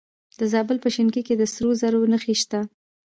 د زابل په شنکۍ کې د سرو زرو نښې شته.